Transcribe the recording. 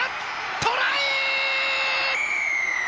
トライ！